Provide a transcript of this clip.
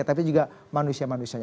tapi juga manusia manusia